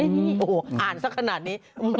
นี่อ่านซะขนาดนี้